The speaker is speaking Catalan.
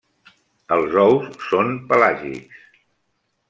Els ous són pelàgics.